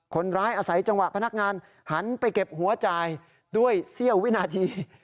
คนร้ายอาศัยจังหวะพนักงานหันไปเก็บหัวจ่ายด้วยเสี้ยววินาที